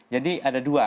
jadi ada dua